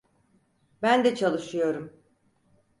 Ben de çalışıyorum.